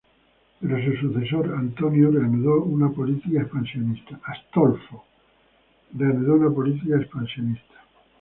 Pero su sucesor Astolfo reanudó una política expansionista.